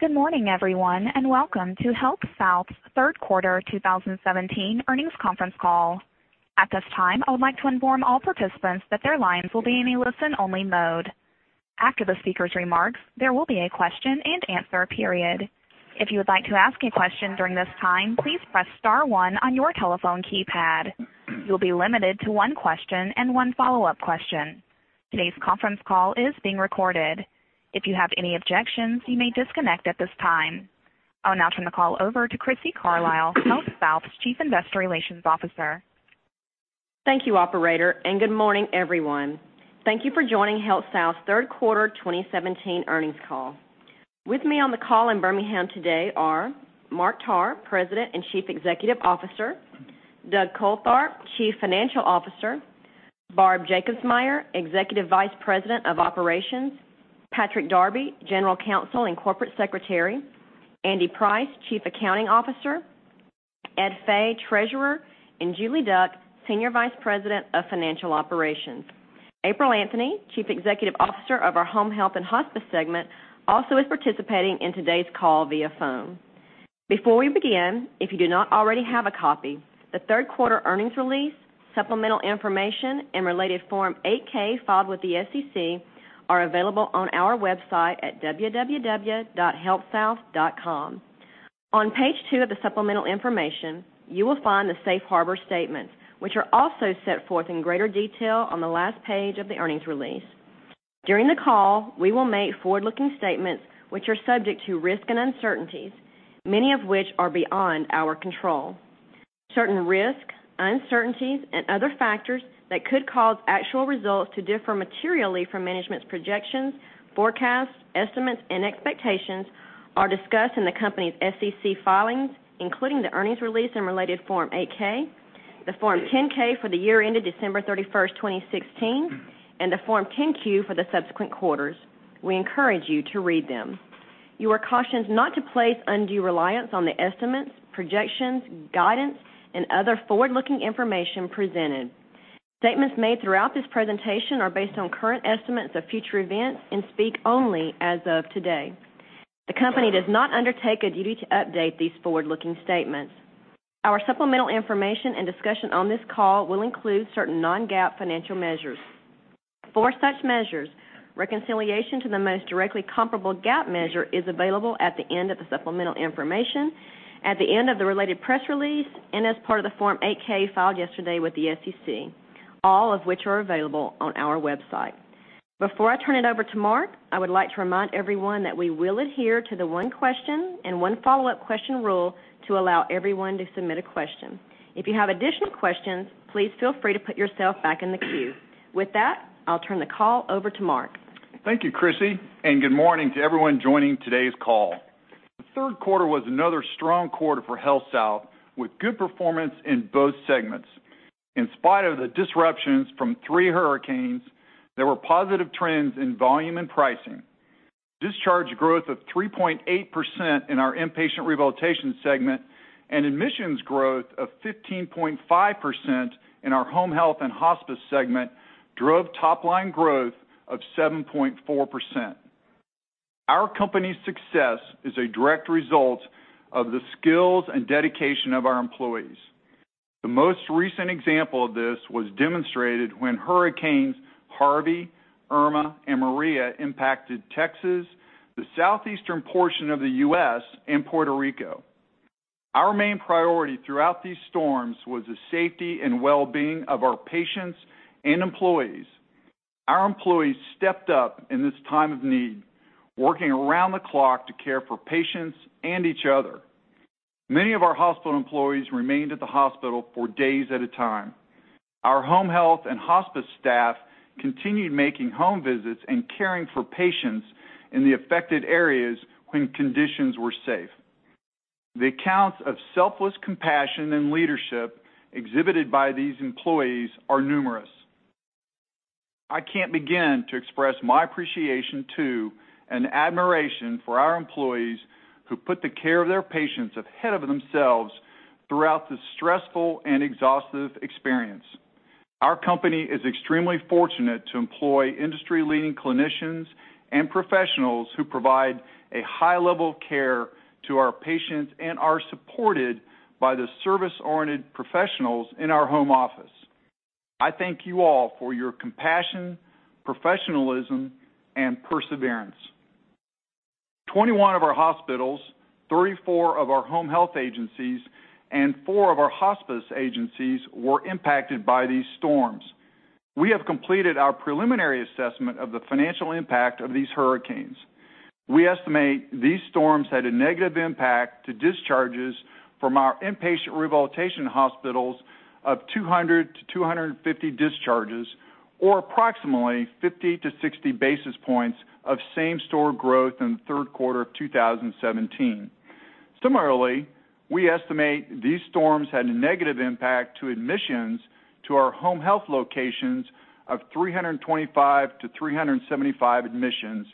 Good morning, everyone, and welcome to HealthSouth's third quarter 2017 earnings conference call. At this time, I would like to inform all participants that their lines will be in a listen-only mode. After the speaker's remarks, there will be a question-and-answer period. If you would like to ask a question during this time, please press star one on your telephone keypad. You will be limited to one question and one follow-up question. Today's conference call is being recorded. If you have any objections, you may disconnect at this time. I will now turn the call over to Crissy Carlisle, HealthSouth's Chief Investor Relations Officer. Thank you, operator, and good morning, everyone. Thank you for joining HealthSouth's third quarter 2017 earnings call. With me on the call in Birmingham today are Mark Tarr, President and Chief Executive Officer, Doug Coltharp, Chief Financial Officer, Barb Jacobs Meyer, Executive Vice President of Operations, Patrick Darby, General Counsel and Corporate Secretary, Andy Price, Chief Accounting Officer, Ed Fay, Treasurer, and Julie Duck, Senior Vice President of Financial Operations. April Anthony, Chief Executive Officer of our Home Health and Hospice segment, also is participating in today's call via phone. Before we begin, if you do not already have a copy, the third quarter earnings release, supplemental information, and related Form 8-K filed with the SEC are available on our website at www.healthsouth.com. On page two of the supplemental information, you will find the safe harbor statement, which are also set forth in greater detail on the last page of the earnings release. During the call, we will make forward-looking statements which are subject to risk and uncertainties, many of which are beyond our control. Certain risks, uncertainties, and other factors that could cause actual results to differ materially from management's projections, forecasts, estimates, and expectations are discussed in the company's SEC filings, including the earnings release and related Form 8-K, the Form 10-K for the year ended December 31st, 2016, and the Form 10-Q for the subsequent quarters. We encourage you to read them. You are cautioned not to place undue reliance on the estimates, projections, guidance, and other forward-looking information presented. Statements made throughout this presentation are based on current estimates of future events and speak only as of today. The company does not undertake a duty to update these forward-looking statements. Our supplemental information and discussion on this call will include certain non-GAAP financial measures. For such measures, reconciliation to the most directly comparable GAAP measure is available at the end of the supplemental information, at the end of the related press release, and as part of the Form 8-K filed yesterday with the SEC, all of which are available on our website. Before I turn it over to Mark, I would like to remind everyone that we will adhere to the one question and one follow-up question rule to allow everyone to submit a question. If you have additional questions, please feel free to put yourself back in the queue. With that, I will turn the call over to Mark. Thank you, Crissy, and good morning to everyone joining today's call. The third quarter was another strong quarter for HealthSouth, with good performance in both segments. In spite of the disruptions from three hurricanes, there were positive trends in volume and pricing. Discharge growth of 3.8% in our inpatient rehabilitation segment and admissions growth of 15.5% in our home health and hospice segment drove top-line growth of 7.4%. Our company's success is a direct result of the skills and dedication of our employees. The most recent example of this was demonstrated when hurricanes Harvey, Irma, and Maria impacted Texas, the southeastern portion of the U.S., and Puerto Rico. Our main priority throughout these storms was the safety and wellbeing of our patients and employees. Our employees stepped up in this time of need, working around the clock to care for patients and each other. Many of our hospital employees remained at the hospital for days at a time. Our home health and hospice staff continued making home visits and caring for patients in the affected areas when conditions were safe. The accounts of selfless compassion and leadership exhibited by these employees are numerous. I can't begin to express my appreciation to and admiration for our employees, who put the care of their patients ahead of themselves throughout the stressful and exhaustive experience. Our company is extremely fortunate to employ industry-leading clinicians and professionals who provide a high level of care to our patients and are supported by the service-oriented professionals in our home office. I thank you all for your compassion, professionalism, and perseverance. 21 of our hospitals, 34 of our home health agencies, and four of our hospice agencies were impacted by these storms. We have completed our preliminary assessment of the financial impact of these hurricanes. We estimate these storms had a negative impact to discharges from our inpatient rehabilitation hospitals of 200-250 discharges, or approximately 50-60 basis points of same-store growth in the third quarter of 2017. Similarly, we estimate these storms had a negative impact to admissions to our home health locations of 325-375 admissions,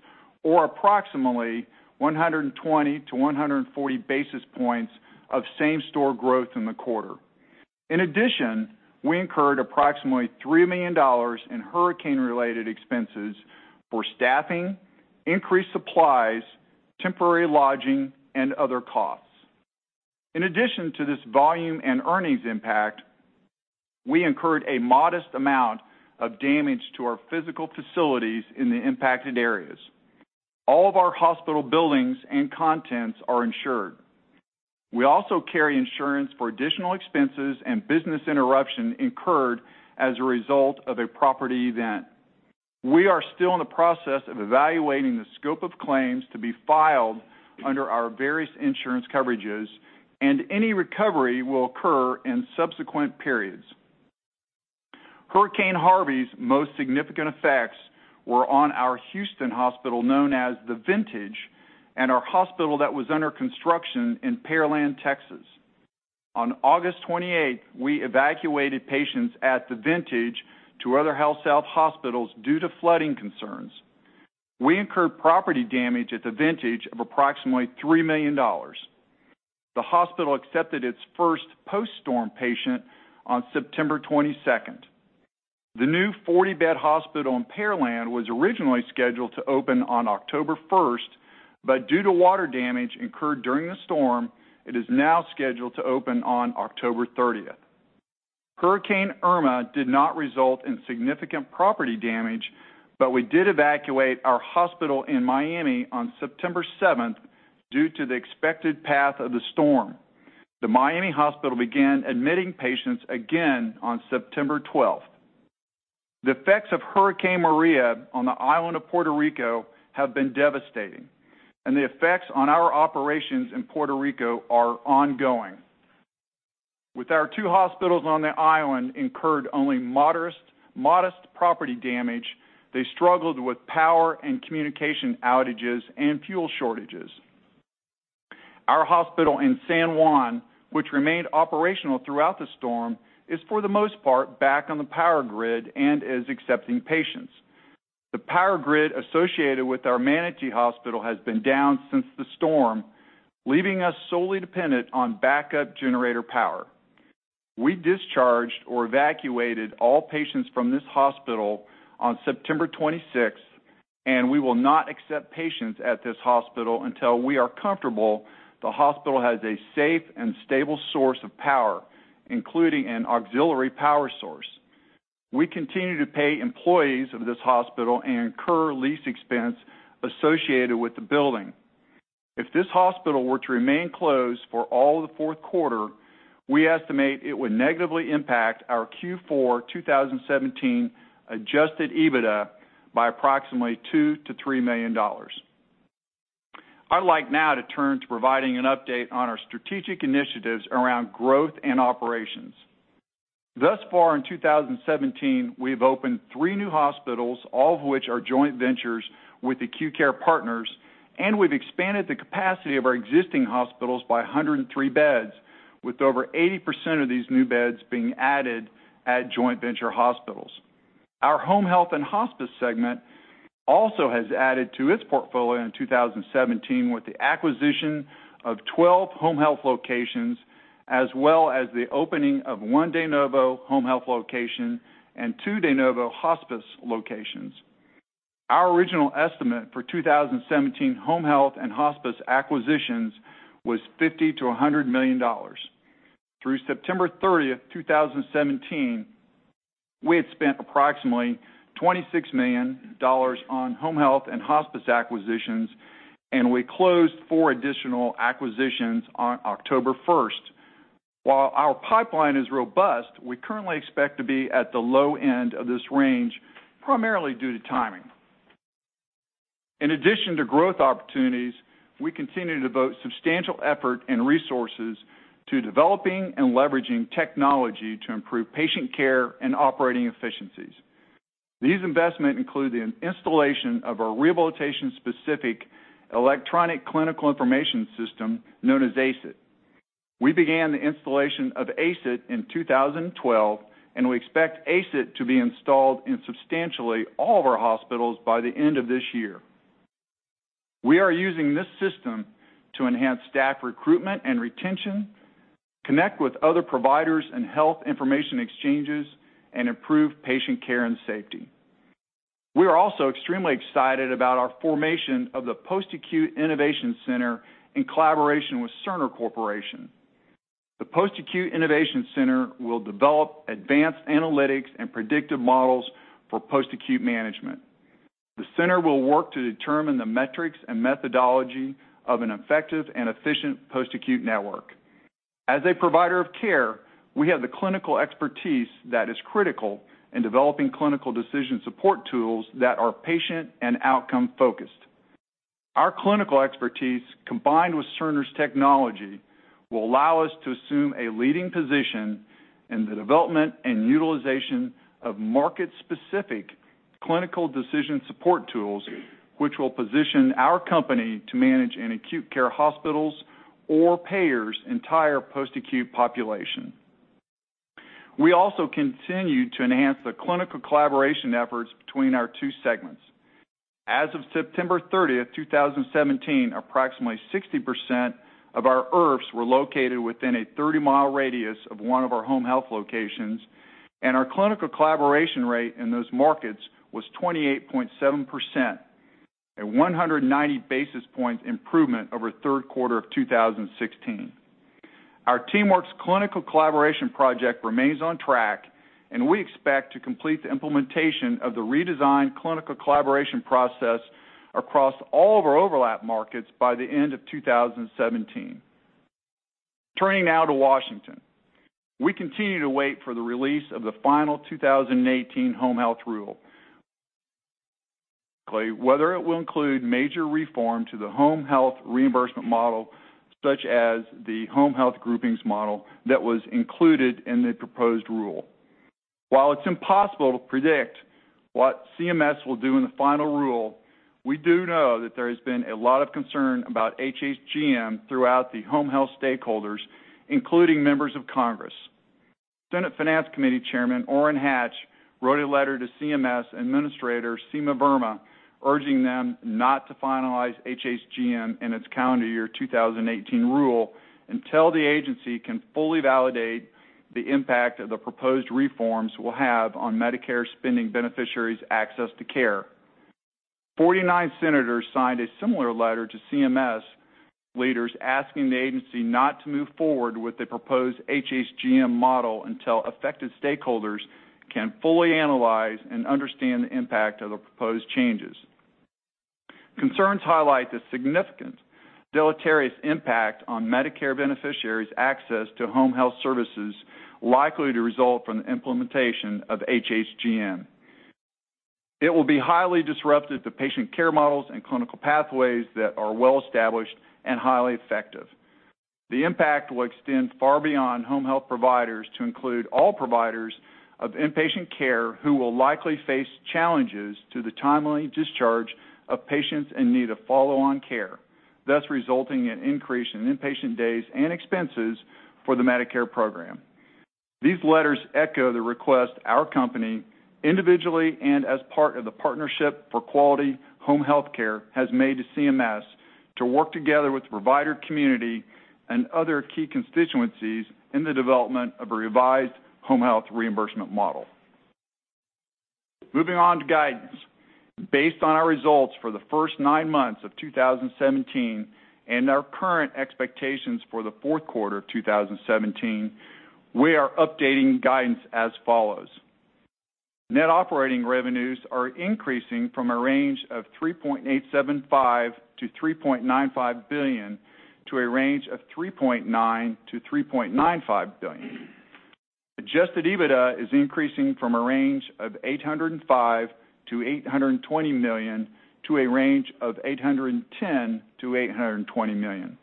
or approximately 120-140 basis points of same-store growth in the quarter. In addition, we incurred approximately $3 million in hurricane-related expenses for staffing, increased supplies, temporary lodging, and other costs. In addition to this volume and earnings impact, we incurred a modest amount of damage to our physical facilities in the impacted areas. All of our hospital buildings and contents are insured. We also carry insurance for additional expenses and business interruption incurred as a result of a property event. We are still in the process of evaluating the scope of claims to be filed under our various insurance coverages. Any recovery will occur in subsequent periods. Hurricane Harvey's most significant effects were on our Houston hospital known as The Vintage and our hospital that was under construction in Pearland, Texas. On August 28th, we evacuated patients at The Vintage to other HealthSouth hospitals due to flooding concerns. We incurred property damage at The Vintage of approximately $3 million. The hospital accepted its first post-storm patient on September 22nd. The new 40-bed hospital in Pearland was originally scheduled to open on October 1st, but due to water damage incurred during the storm, it is now scheduled to open on October 30th. Hurricane Irma did not result in significant property damage, but we did evacuate our hospital in Miami on September 7th due to the expected path of the storm. The Miami hospital began admitting patients again on September 12th. The effects of Hurricane Maria on the island of Puerto Rico have been devastating, and the effects on our operations in Puerto Rico are ongoing. With our two hospitals on the island incurred only modest property damage, they struggled with power and communication outages and fuel shortages. Our hospital in San Juan, which remained operational throughout the storm, is for the most part back on the power grid and is accepting patients. The power grid associated with our Manatí hospital has been down since the storm, leaving us solely dependent on backup generator power. We discharged or evacuated all patients from this hospital on September 26th, we will not accept patients at this hospital until we are comfortable the hospital has a safe and stable source of power, including an auxiliary power source. We continue to pay employees of this hospital and incur lease expense associated with the building. If this hospital were to remain closed for all of the fourth quarter, we estimate it would negatively impact our Q4 2017 adjusted EBITDA by approximately $2 million-$3 million. I'd like now to turn to providing an update on our strategic initiatives around growth and operations. Thus far in 2017, we've opened three new hospitals, all of which are joint ventures with AcuteCare Partners, and we've expanded the capacity of our existing hospitals by 103 beds, with over 80% of these new beds being added at joint venture hospitals. Our home health and hospice segment also has added to its portfolio in 2017 with the acquisition of 12 home health locations, as well as the opening of one de novo home health location and two de novo hospice locations. Our original estimate for 2017 home health and hospice acquisitions was $50 million-$100 million. Through September 30th, 2017, we had spent approximately $26 million on home health and hospice acquisitions, we closed four additional acquisitions on October 1st. While our pipeline is robust, we currently expect to be at the low end of this range, primarily due to timing. In addition to growth opportunities, we continue to devote substantial effort and resources to developing and leveraging technology to improve patient care and operating efficiencies. These investments include the installation of a rehabilitation-specific electronic clinical information system known as ACE IT. We began the installation of ACE IT in 2012, we expect ACE IT to be installed in substantially all of our hospitals by the end of this year. We are using this system to enhance staff recruitment and retention, connect with other providers and health information exchanges, and improve patient care and safety. We are also extremely excited about our formation of the Post-Acute Innovation Center in collaboration with Cerner Corporation. The Post-Acute Innovation Center will develop advanced analytics and predictive models for post-acute management. The center will work to determine the metrics and methodology of an effective and efficient post-acute network. As a provider of care, we have the clinical expertise that is critical in developing clinical decision support tools that are patient and outcome-focused. Our clinical expertise, combined with Cerner's technology, will allow us to assume a leading position in the development and utilization of market-specific clinical decision support tools, which will position our company to manage an acute care hospital's or payer's entire post-acute population. We also continue to enhance the clinical collaboration efforts between our two segments. As of September 30th, 2017, approximately 60% of our IRFs were located within a 30-mile radius of one of our home health locations, and our clinical collaboration rate in those markets was 28.7%, a 190-basis point improvement over third quarter of 2016. Our TeamWorks clinical collaboration project remains on track, and we expect to complete the implementation of the redesigned clinical collaboration process across all of our overlap markets by the end of 2017. Turning now to Washington, we continue to wait for the release of the final 2018 Home Health Rule. Whether it will include major reform to the home health reimbursement model, such as the Home Health Groupings Model that was included in the proposed rule. While it's impossible to predict what CMS will do in the final rule, we do know that there has been a lot of concern about HHGM throughout the home health stakeholders, including members of Congress. Senate Finance Committee Chairman Orrin Hatch wrote a letter to CMS Administrator Seema Verma, urging them not to finalize HHGM in its calendar year 2018 rule until the agency can fully validate the impact of the proposed reforms will have on Medicare's spending beneficiaries' access to care. 49 senators signed a similar letter to CMS leaders, asking the agency not to move forward with the proposed HHGM model until affected stakeholders can fully analyze and understand the impact of the proposed changes. Concerns highlight the significant deleterious impact on Medicare beneficiaries' access to home health services likely to result from the implementation of HHGM. It will be highly disruptive to patient care models and clinical pathways that are well established and highly effective. The impact will extend far beyond home health providers to include all providers of inpatient care who will likely face challenges to the timely discharge of patients in need of follow-on care, thus resulting in increase in inpatient days and expenses for the Medicare program. These letters echo the request our company, individually and as part of the Partnership for Quality Home Health Care, has made to CMS to work together with the provider community and other key constituencies in the development of a revised Home Health Reimbursement Model. Moving on to guidance. Based on our results for the first nine months of 2017 and our current expectations for the fourth quarter of 2017, we are updating guidance as follows. Net Operating Revenues are increasing from a range of $3.875 billion-$3.95 billion to a range of $3.9 billion-$3.95 billion. Adjusted EBITDA is increasing from a range of $805 million-$820 million to a range of $810 million-$820 million.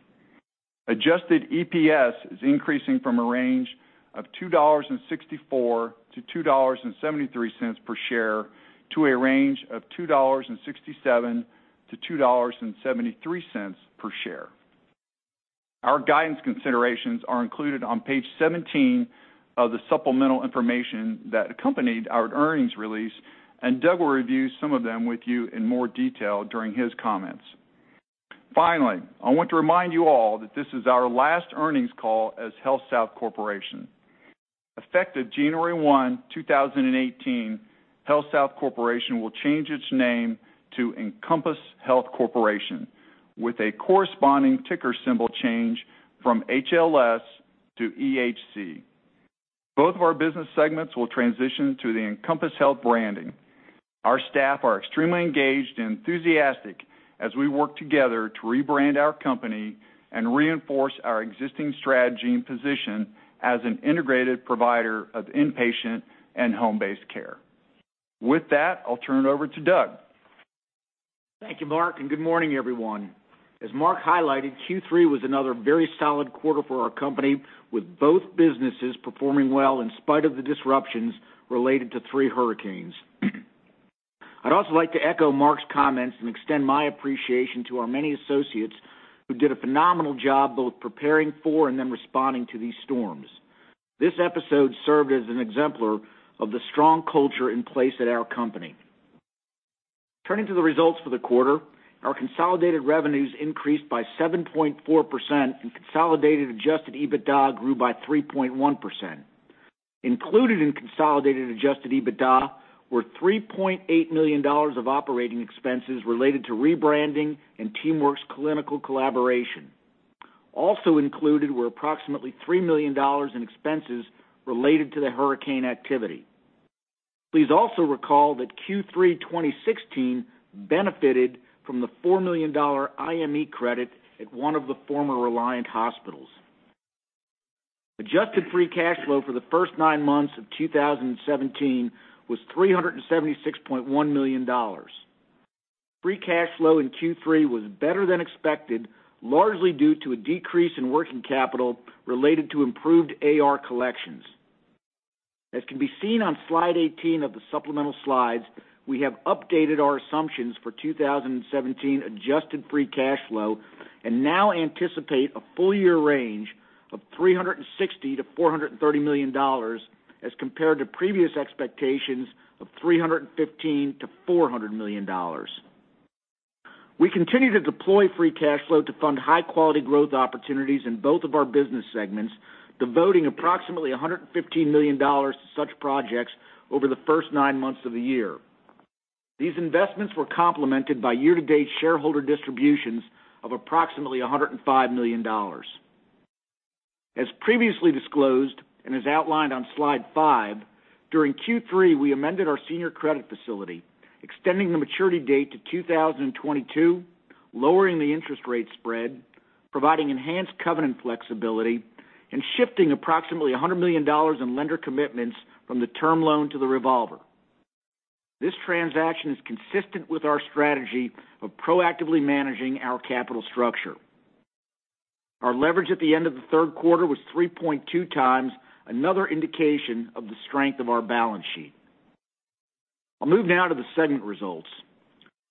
Adjusted EPS is increasing from a range of $2.64-$2.73 per share to a range of $2.67-$2.73 per share. Our guidance considerations are included on page 17 of the supplemental information that accompanied our earnings release, and Doug will review some of them with you in more detail during his comments. I want to remind you all that this is our last earnings call as HealthSouth Corporation. Effective January 1, 2018, HealthSouth Corporation will change its name to Encompass Health Corporation, with a corresponding ticker symbol change from HLS to EHC. Both of our business segments will transition to the Encompass Health branding. Our staff are extremely engaged and enthusiastic as we work together to rebrand our company and reinforce our existing strategy and position as an integrated provider of inpatient and home-based care. With that, I'll turn it over to Doug. Thank you, Mark, good morning, everyone. As Mark highlighted, Q3 was another very solid quarter for our company, with both businesses performing well in spite of the disruptions related to three hurricanes. I'd also like to echo Mark's comments and extend my appreciation to our many associates who did a phenomenal job both preparing for and then responding to these storms. This episode served as an exemplar of the strong culture in place at our company. Turning to the results for the quarter, our consolidated revenues increased by 7.4%, and consolidated adjusted EBITDA grew by 3.1%. Included in consolidated adjusted EBITDA were $3.8 million of operating expenses related to rebranding and TeamWorks clinical collaboration. Also included were approximately $3 million in expenses related to the hurricane activity. Please also recall that Q3 2016 benefited from the $4 million IME credit at one of the former Reliant hospitals. Adjusted free cash flow for the first nine months of 2017 was $376.1 million. Free cash flow in Q3 was better than expected, largely due to a decrease in working capital related to improved AR collections. As can be seen on slide five of the supplemental slides, we have updated our assumptions for 2017 adjusted free cash flow and now anticipate a full-year range of $360 million-$430 million as compared to previous expectations of $315 million-$400 million. We continue to deploy free cash flow to fund high-quality growth opportunities in both of our business segments, devoting approximately $115 million to such projects over the first nine months of the year. These investments were complemented by year-to-date shareholder distributions of approximately $105 million. As previously disclosed and as outlined on slide five, during Q3, we amended our senior credit facility, extending the maturity date to 2022, lowering the interest rate spread, providing enhanced covenant flexibility, and shifting approximately $100 million in lender commitments from the term loan to the revolver. This transaction is consistent with our strategy of proactively managing our capital structure. Our leverage at the end of the third quarter was 3.2 times, another indication of the strength of our balance sheet. I'll move now to the segment results.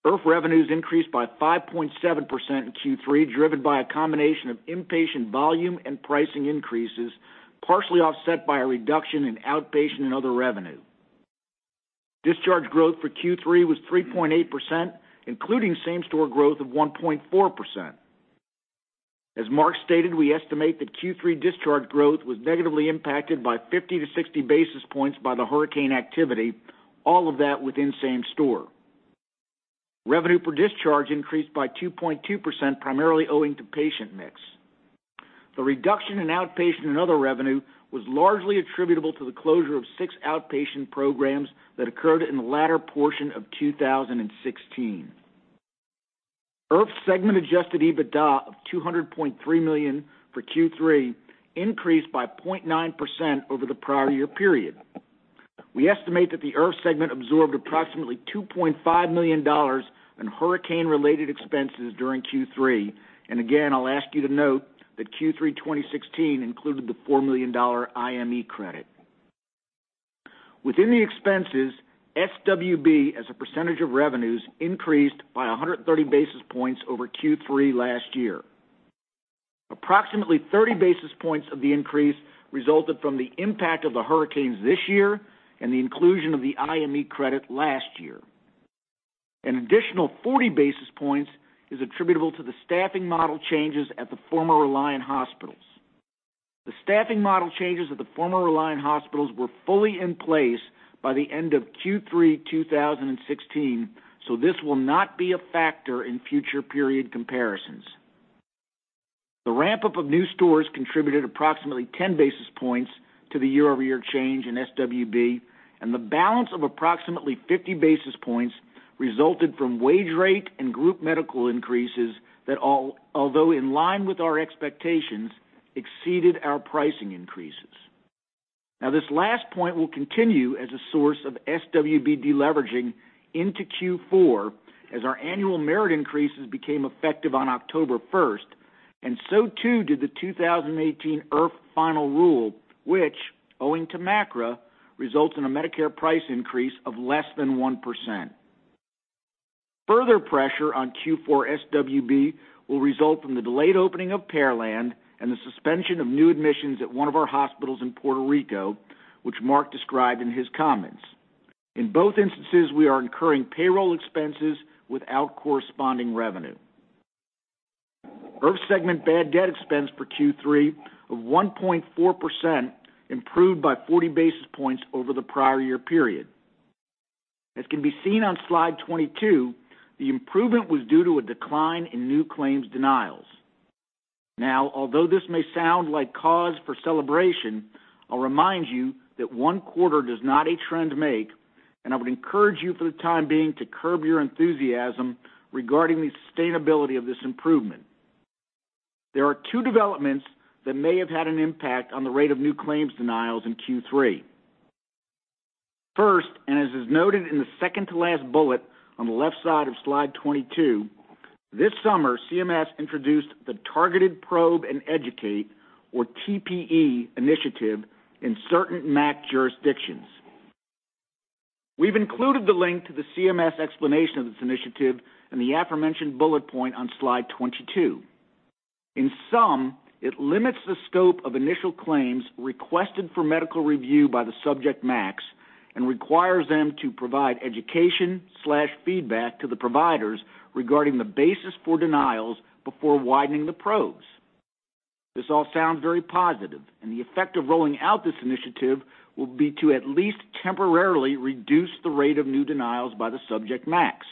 IRF revenues increased by 5.7% in Q3, driven by a combination of inpatient volume and pricing increases, partially offset by a reduction in outpatient and other revenue. Discharge growth for Q3 was 3.8%, including same-store growth of 1.4%. As Mark stated, we estimate that Q3 discharge growth was negatively impacted by 50 to 60 basis points by the hurricane activity, all of that within same store. Revenue per discharge increased by 2.2%, primarily owing to patient mix. The reduction in outpatient and other revenue was largely attributable to the closure of six outpatient programs that occurred in the latter portion of 2016. IRF segment adjusted EBITDA of $200.3 million for Q3 increased by 0.9% over the prior year period. We estimate that the IRF segment absorbed approximately $2.5 million in hurricane-related expenses during Q3. Again, I'll ask you to note that Q3 2016 included the $4 million IME credit. Within the expenses, SWB as a percentage of revenues increased by 130 basis points over Q3 last year. Approximately 30 basis points of the increase resulted from the impact of the hurricanes this year and the inclusion of the IME credit last year. An additional 40 basis points is attributable to the staffing model changes at the former Reliant hospitals. The staffing model changes at the former Reliant hospitals were fully in place by the end of Q3 2016, this will not be a factor in future period comparisons. The ramp-up of new stores contributed approximately 10 basis points to the year-over-year change in SWB, the balance of approximately 50 basis points resulted from wage rate and group medical increases that, although in line with our expectations, exceeded our pricing increases. This last point will continue as a source of SWB deleveraging into Q4 as our annual merit increases became effective on October 1st, and so too did the 2018 IRF final rule, which, owing to MACRA, results in a Medicare price increase of less than 1%. Further pressure on Q4 SWB will result from the delayed opening of Pearland and the suspension of new admissions at one of our hospitals in Puerto Rico, which Mark described in his comments. In both instances, we are incurring payroll expenses without corresponding revenue. IRF segment bad debt expense for Q3 of 1.4% improved by 40 basis points over the prior year period. As can be seen on slide 22, the improvement was due to a decline in new claims denials. Although this may sound like cause for celebration, I'll remind you that one quarter does not a trend make, and I would encourage you for the time being to curb your enthusiasm regarding the sustainability of this improvement. There are two developments that may have had an impact on the rate of new claims denials in Q3. As is noted in the second to last bullet on the left side of slide 22, this summer, CMS introduced the Targeted Probe and Educate, or TPE initiative in certain MAC jurisdictions. We've included the link to the CMS explanation of this initiative in the aforementioned bullet point on slide 22. In sum, it limits the scope of initial claims requested for medical review by the subject MACs and requires them to provide education/feedback to the providers regarding the basis for denials before widening the probes. This all sounds very positive, and the effect of rolling out this initiative will be to at least temporarily reduce the rate of new denials by the subject MACs.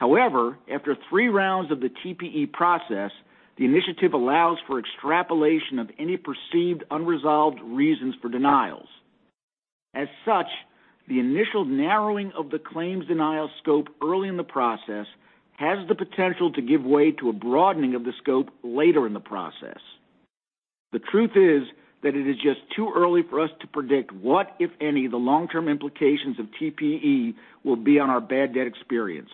However, after 3 rounds of the TPE process, the initiative allows for extrapolation of any perceived unresolved reasons for denials. As such, the initial narrowing of the claims denial scope early in the process has the potential to give way to a broadening of the scope later in the process. The truth is that it is just too early for us to predict what, if any, the long-term implications of TPE will be on our bad debt experience.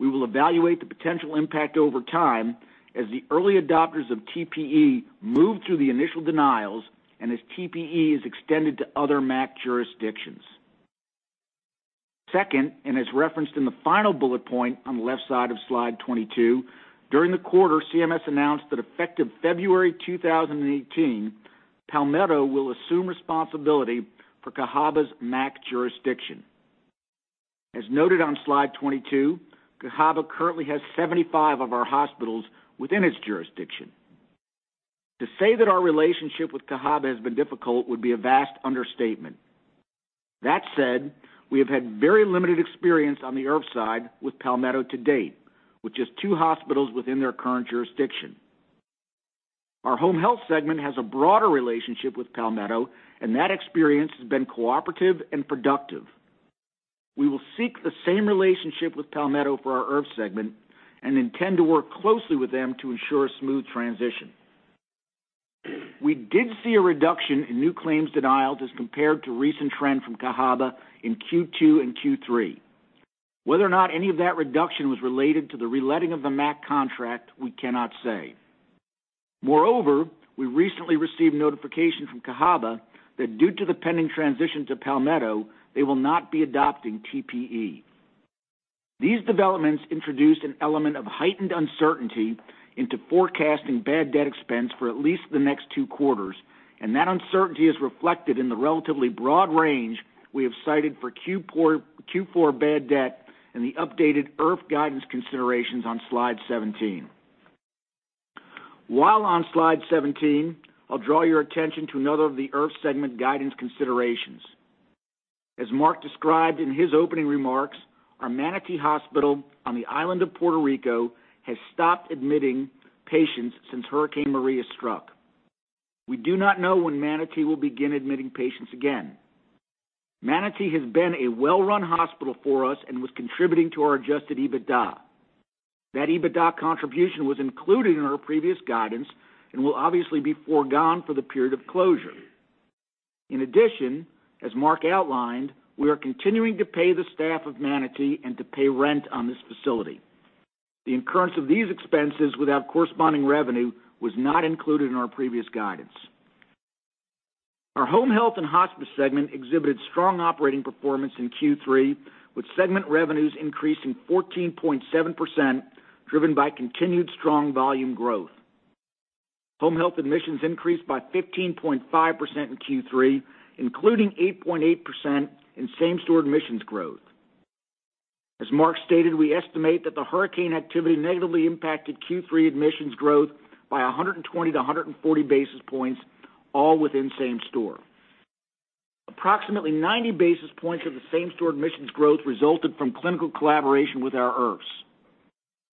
We will evaluate the potential impact over time as the early adopters of TPE move through the initial denials and as TPE is extended to other MAC jurisdictions. Second, as referenced in the final bullet point on the left side of slide 22, during the quarter, CMS announced that effective February 2018, Palmetto will assume responsibility for Cahaba's MAC jurisdiction. As noted on slide 22, Cahaba currently has 75 of our hospitals within its jurisdiction. To say that our relationship with Cahaba has been difficult would be a vast understatement. That said, we have had very limited experience on the IRF side with Palmetto to date, with just two hospitals within their current jurisdiction. Our home health segment has a broader relationship with Palmetto, and that experience has been cooperative and productive. We will seek the same relationship with Palmetto for our IRF segment and intend to work closely with them to ensure a smooth transition. We did see a reduction in new claims denials as compared to recent trend from Cahaba in Q2 and Q3. Whether or not any of that reduction was related to the reletting of the MAC contract, we cannot say. Moreover, we recently received notification from Cahaba that due to the pending transition to Palmetto, they will not be adopting TPE. These developments introduced an element of heightened uncertainty into forecasting bad debt expense for at least the next two quarters, and that uncertainty is reflected in the relatively broad range we have cited for Q4 bad debt and the updated IRF guidance considerations on slide 17. While on slide 17, I'll draw your attention to another of the IRF segment guidance considerations. As Mark described in his opening remarks, our Manatí Hospital on the island of Puerto Rico has stopped admitting patients since Hurricane Maria struck. We do not know when Manatí will begin admitting patients again. Manatí has been a well-run hospital for us and was contributing to our adjusted EBITDA. That EBITDA contribution was included in our previous guidance and will obviously be foregone for the period of closure. In addition, as Mark outlined, we are continuing to pay the staff of Manatí and to pay rent on this facility. The incurrence of these expenses without corresponding revenue was not included in our previous guidance. Our home health and hospice segment exhibited strong operating performance in Q3, with segment revenues increasing 14.7%, driven by continued strong volume growth. Home health admissions increased by 15.5% in Q3, including 8.8% in same-store admissions growth. As Mark stated, we estimate that the hurricane activity negatively impacted Q3 admissions growth by 120 to 140 basis points, all within same store. Approximately 90 basis points of the same-store admissions growth resulted from clinical collaboration with our IRFs.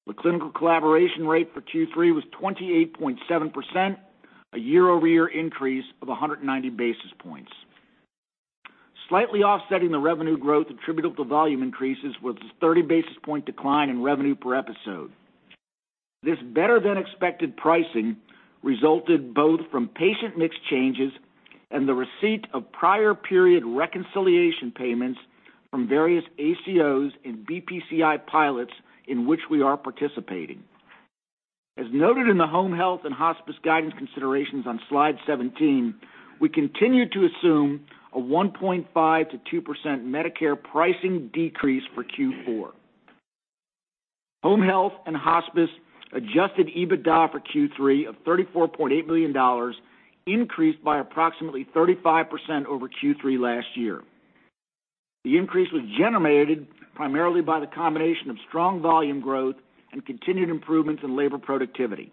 The clinical collaboration rate for Q3 was 28.7%, a year-over-year increase of 190 basis points. Slightly offsetting the revenue growth attributable to volume increases was a 30 basis point decline in revenue per episode. This better-than-expected pricing resulted both from patient mix changes and the receipt of prior period reconciliation payments from various ACOs and BPCI pilots in which we are participating. As noted in the home health and hospice guidance considerations on slide 17, we continue to assume a 1.5%-2% Medicare pricing decrease for Q4. Home health and hospice adjusted EBITDA for Q3 of $34.8 million increased by approximately 35% over Q3 last year. The increase was generated primarily by the combination of strong volume growth and continued improvements in labor productivity.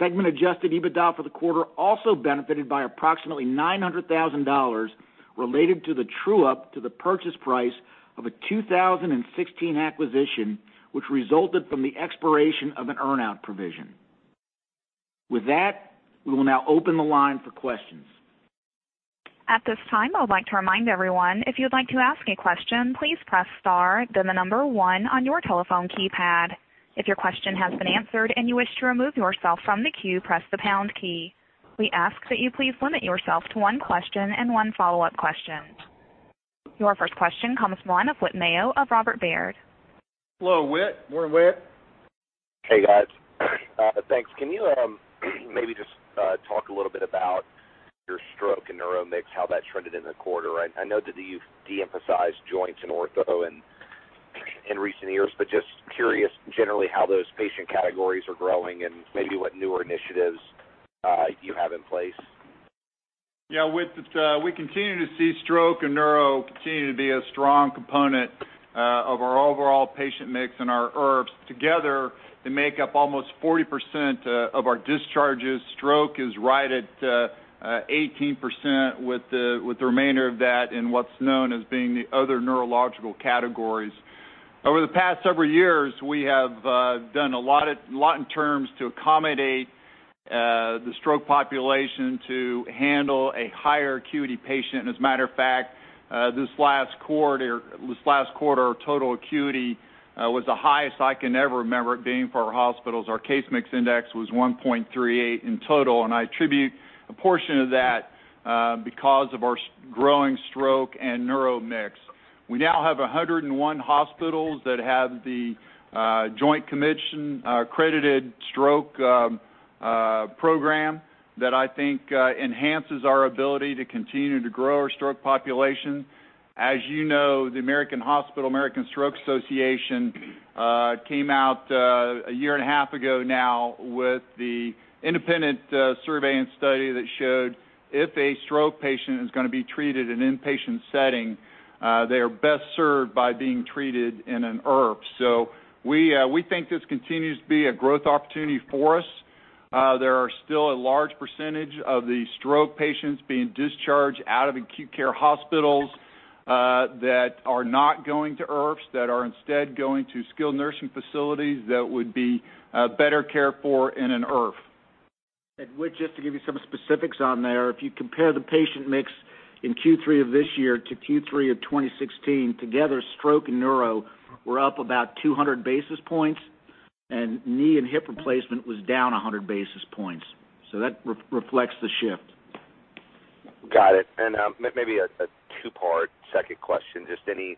Segment adjusted EBITDA for the quarter also benefited by approximately $900,000 related to the true-up to the purchase price of a 2016 acquisition, which resulted from the expiration of an earn-out provision. With that, we will now open the line for questions. At this time, I would like to remind everyone, if you'd like to ask a question, please press star, then the number 1 on your telephone keypad. If your question has been answered and you wish to remove yourself from the queue, press the pound key. We ask that you please limit yourself to one question and one follow-up question. Your first question comes from the line of Whit Mayo of Robert W. Baird. Hello, Whit. Morning, Whit. Hey, guys. Thanks. Can you maybe just talk a little bit about your stroke and neuro mix, how that trended in the quarter? I know that you've de-emphasized joints and ortho in recent years, but just curious generally how those patient categories are growing and maybe what newer initiatives you have in place. Yeah, Whit, we continue to see stroke and neuro continue to be a strong component of our overall patient mix and our IRFs. Together, they make up almost 40% of our discharges. Stroke is right at 18% with the remainder of that in what's known as being the other neurological categories. Over the past several years, we have done a lot in terms to accommodate the stroke population to handle a higher acuity patient. As a matter of fact, this last quarter, our total acuity was the highest I can ever remember it being for our hospitals. Our case mix index was 1.38 in total. I attribute a portion of that because of our growing stroke and neuro mix. We now have 101 hospitals that have The Joint Commission accredited stroke program that I think enhances our ability to continue to grow our stroke population. As you know, the American Heart Association American Stroke Association came out a year and a half ago now with the independent survey and study that showed if a stroke patient is going to be treated in an inpatient setting, they are best served by being treated in an IRF. We think this continues to be a growth opportunity for us. There are still a large percentage of the stroke patients being discharged out of acute care hospitals that are not going to IRFs, that are instead going to skilled nursing facilities that would be better cared for in an IRF. Whit, just to give you some specifics on there, if you compare the patient mix in Q3 of this year to Q3 of 2016, together, stroke and neuro were up about 200 basis points, and knee and hip replacement was down 100 basis points. That reflects the shift. Got it. Maybe a two-part second question, just any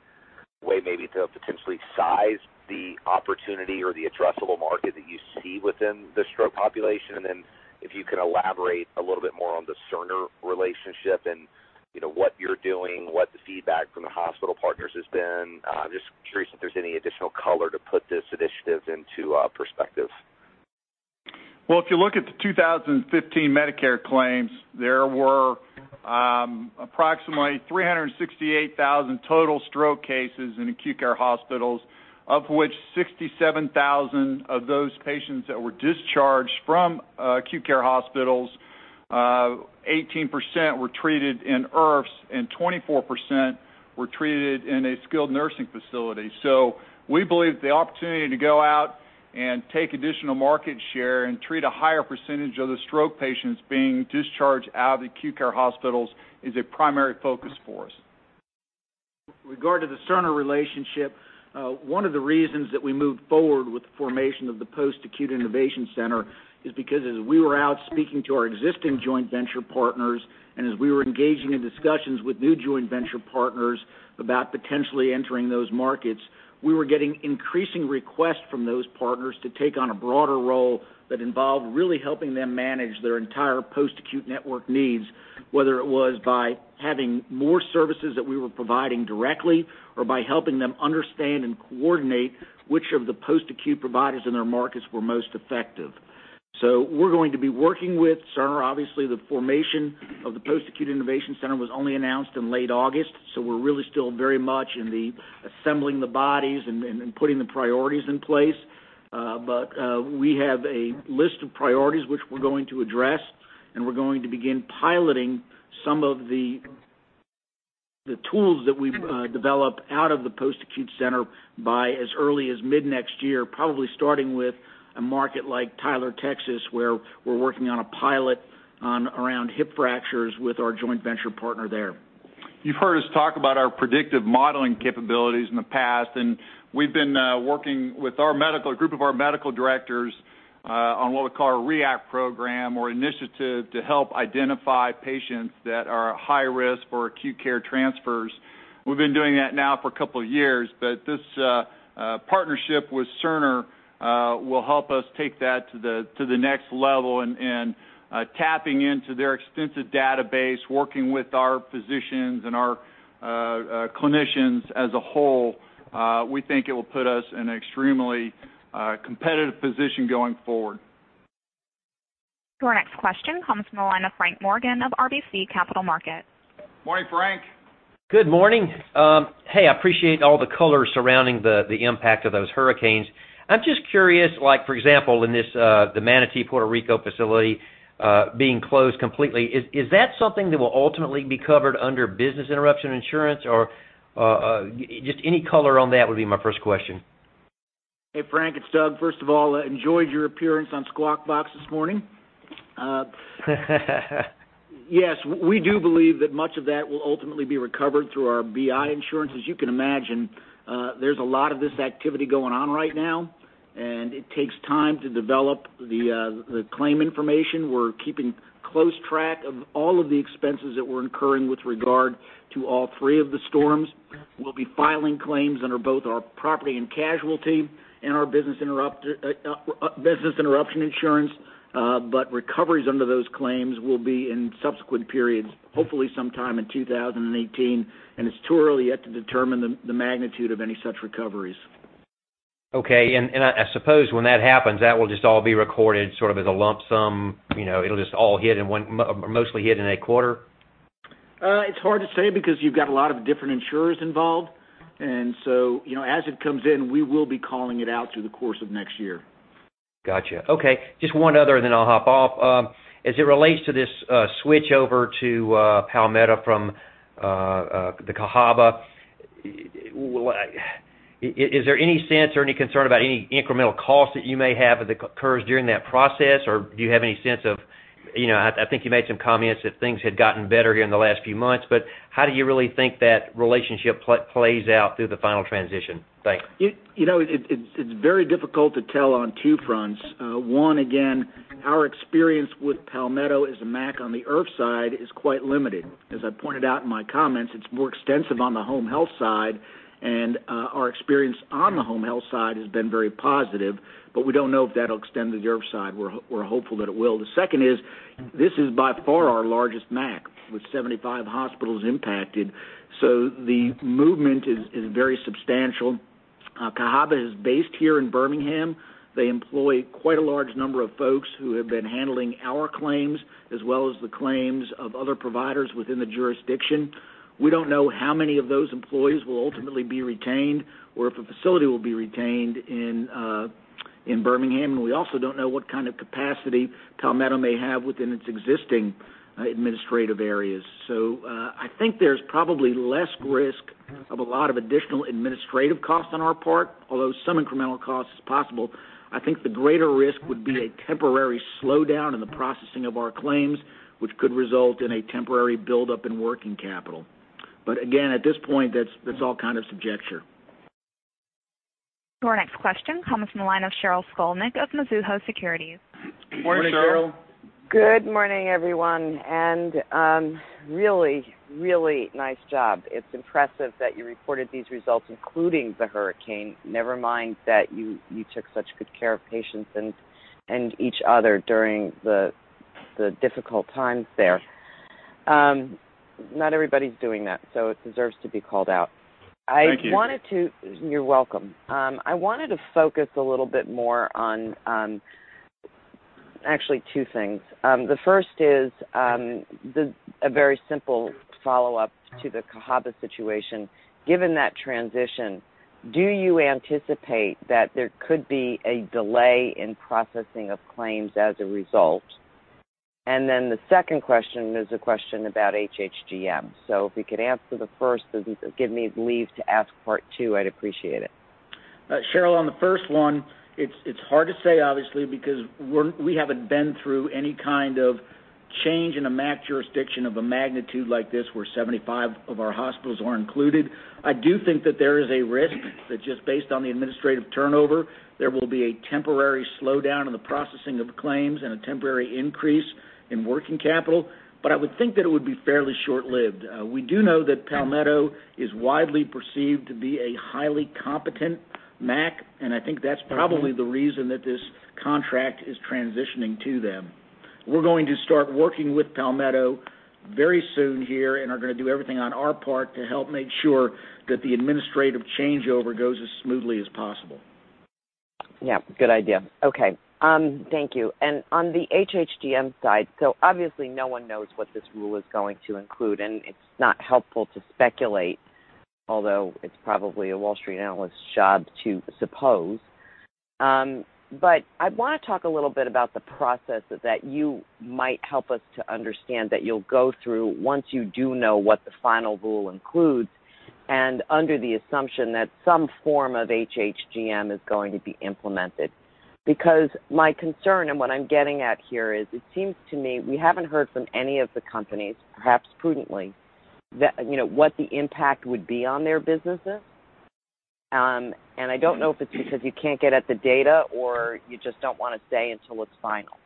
way maybe to potentially size the opportunity or the addressable market that you see within the stroke population? Then if you can elaborate a little bit more on the Cerner relationship and what you're doing, what the feedback from the hospital partners has been. I'm just curious if there's any additional color to put this initiative into perspective. Well, if you look at the 2015 Medicare claims, there were approximately 368,000 total stroke cases in acute care hospitals, of which 67,000 of those patients that were discharged from acute care hospitals, 18% were treated in IRFs and 24% were treated in a skilled nursing facility. We believe the opportunity to go out and take additional market share and treat a higher percentage of the stroke patients being discharged out of acute care hospitals is a primary focus for us. With regard to the Cerner relationship, one of the reasons that we moved forward with the formation of the Post-Acute Innovation Center is because as we were out speaking to our existing joint venture partners, and as we were engaging in discussions with new joint venture partners about potentially entering those markets, we were getting increasing requests from those partners to take on a broader role that involved really helping them manage their entire post-acute network needs, whether it was by having more services that we were providing directly or by helping them understand and coordinate which of the post-acute providers in their markets were most effective. We're going to be working with Cerner. Obviously, the formation of the Post-Acute Innovation Center was only announced in late August, we're really still very much in the assembling the bodies and putting the priorities in place. We have a list of priorities which we're going to address, and we're going to begin piloting some of the tools that we've developed out of the Post-Acute Center by as early as mid-next year, probably starting with a market like Tyler, Texas, where we're working on a pilot around hip fractures with our joint venture partner there. You've heard us talk about our predictive modeling capabilities in the past, and we've been working with a group of our medical directors on what we call our REACT program or initiative to help identify patients that are high risk for acute care transfers. We've been doing that now for a couple of years, but this partnership with Cerner will help us take that to the next level and tapping into their extensive database, working with our physicians and our clinicians as a whole, we think it will put us in an extremely competitive position going forward. Your next question comes from the line of Frank Morgan of RBC Capital Markets. Morning, Frank. Good morning. Hey, I appreciate all the color surrounding the impact of those hurricanes. I'm just curious, for example, in this the Manatí, Puerto Rico facility being closed completely, is that something that will ultimately be covered under business interruption insurance? Just any color on that would be my first question. Hey, Frank, it's Doug. First of all, enjoyed your appearance on Squawk Box this morning. Yes, we do believe that much of that will ultimately be recovered through our BI insurance. As you can imagine, there's a lot of this activity going on right now, and it takes time to develop the claim information. We're keeping close track of all of the expenses that we're incurring with regard to all three of the storms. We'll be filing claims under both our property and casualty and our business interruption insurance. Recoveries under those claims will be in subsequent periods, hopefully sometime in 2018. It's too early yet to determine the magnitude of any such recoveries. Okay. I suppose when that happens, that will just all be recorded sort of as a lump sum. It'll just all mostly hit in a quarter? It's hard to say because you've got a lot of different insurers involved. As it comes in, we will be calling it out through the course of next year. Got you. Okay, just one other, and then I'll hop off. As it relates to this switch over to Palmetto from the Cahaba, is there any sense or any concern about any incremental cost that you may have that occurs during that process? I think you made some comments that things had gotten better here in the last few months, but how do you really think that relationship plays out through the final transition? Thanks. It's very difficult to tell on two fronts. One, again, our experience with Palmetto as a MAC on the IRF side is quite limited. As I pointed out in my comments, it's more extensive on the home health side, and our experience on the home health side has been very positive, but we don't know if that'll extend to the IRF side. We're hopeful that it will. The second is, this is by far our largest MAC, with 75 hospitals impacted. The movement is very substantial. Cahaba is based here in Birmingham. They employ quite a large number of folks who have been handling our claims as well as the claims of other providers within the jurisdiction. We don't know how many of those employees will ultimately be retained or if a facility will be retained in Birmingham, and we also don't know what kind of capacity Palmetto may have within its existing administrative areas. I think there's probably less risk of a lot of additional administrative costs on our part, although some incremental cost is possible. I think the greater risk would be a temporary slowdown in the processing of our claims, which could result in a temporary buildup in working capital. Again, at this point, that's all kind of conjecture. Your next question comes from the line of Sheryl Skolnick of Mizuho Securities. Morning, Sheryl. Morning, Sheryl. Good morning, everyone, Really, really nice job. It is impressive that you reported these results, including the hurricane, never mind that you took such good care of patients and each other during the difficult times there. Not everybody is doing that, so it deserves to be called out. Thank you. You are welcome. I wanted to focus a little bit more on actually two things. The first is a very simple follow-up to the Cahaba situation. Given that transition, do you anticipate that there could be a delay in processing of claims as a result? The second question is a question about HHGM. If you could answer the first, give me leave to ask part two, I would appreciate it. Sheryl, on the first one, it's hard to say, obviously, because we haven't been through any kind of change in a MAC jurisdiction of a magnitude like this, where 75 of our hospitals are included. I do think that there is a risk that just based on the administrative turnover, there will be a temporary slowdown in the processing of claims and a temporary increase in working capital. I would think that it would be fairly short-lived. We do know that Palmetto is widely perceived to be a highly competent MAC, and I think that's probably the reason that this contract is transitioning to them. We're going to start working with Palmetto very soon here and are going to do everything on our part to help make sure that the administrative changeover goes as smoothly as possible. Yeah, good idea. Okay. Thank you. On the HHGM side, obviously no one knows what this rule is going to include, and it's not helpful to speculate, although it's probably a Wall Street analyst's job to suppose. I want to talk a little bit about the process that you might help us to understand that you'll go through once you do know what the final rule includes, and under the assumption that some form of HHGM is going to be implemented. My concern and what I'm getting at here is it seems to me we haven't heard from any of the companies, perhaps prudently, what the impact would be on their businesses. I don't know if it's because you can't get at the data or you just don't want to say until it's final.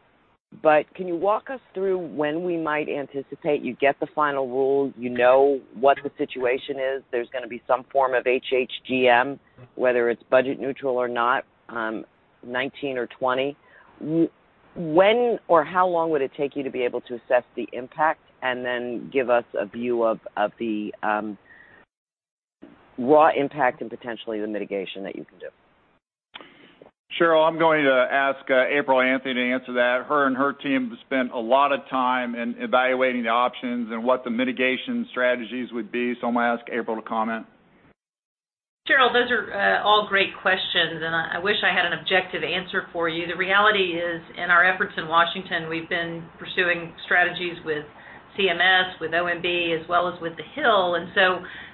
Can you walk us through when we might anticipate you get the final rule, you know what the situation is, there's going to be some form of HHGM, whether it's budget neutral or not, 2019 or 2020. When or how long would it take you to be able to assess the impact and then give us a view of the raw impact and potentially the mitigation that you can do? Sheryl, I'm going to ask April Anthony to answer that. Her and her team have spent a lot of time in evaluating the options and what the mitigation strategies would be. I'm going to ask April to comment. Sheryl, those are all great questions. I wish I had an objective answer for you. The reality is, in our efforts in Washington, we've been pursuing strategies with CMS, with OMB, as well as with the Hill.